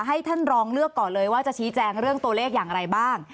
ให้ท่านรองเลือกก่อนเลยว่าจะชี้แจงเรื่องตัวเลขอย่างไรบ้าง